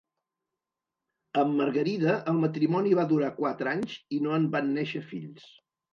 Amb Margarida el matrimoni va durar quatre anys i no en van néixer fills.